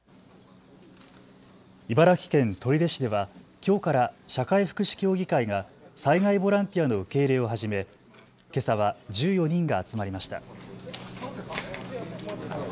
茨城県取手市ではきょうから社会福祉協議会が災害ボランティアの受け入れを始めけさは１４人が集まりました。